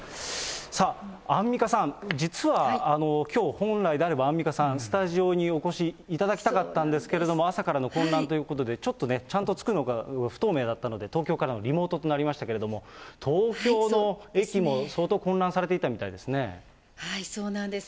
さあ、アンミカさん、実はきょう、本来であればアンミカさん、スタジオにお越しいただきたかったんですけれども、朝からの混乱ということで、ちょっとね、ちゃんと着くのか不透明だったので、東京からのリモートとなりましたけれども、東京の駅も相当混乱さそうなんです。